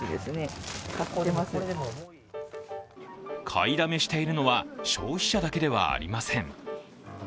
買いだめしているのは消費者だけではありません。